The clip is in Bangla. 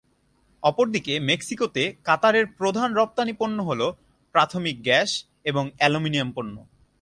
অপরদিকে মেক্সিকোতে কাতারের প্রধান রপ্তানি পণ্য হল, প্রাকৃতিক গ্যাস এবং অ্যালুমিনিয়াম পণ্য।